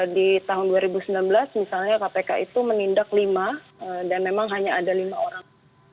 di tahun dua ribu sembilan belas misalnya kpk itu menindak lima dan memang hanya ada lima orang